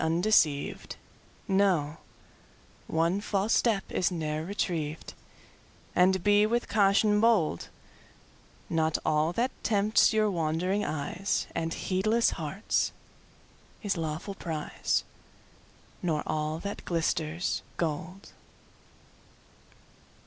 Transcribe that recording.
undeceivedKnow one false step is ne'er retrieved, And be with caution bold:Not all that tempts your wandering eyesAnd heedless hearts, is lawful prize, Nor all that glisters, gold!